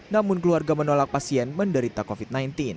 namun keluarga menolak pasien menderita covid sembilan belas